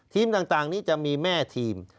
ทีมต่างนี้จะมีแม่ทีม